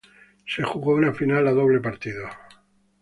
Se jugó una final a doble partido.